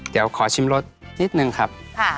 เดี๋ยวขอชิมรสนิดนึงครับ